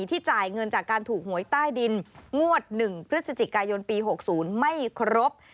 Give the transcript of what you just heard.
จ่ายเงินจากการถูกหวยใต้ดินงวด๑พฤศจิกายนปี๖๐ไม่ครบ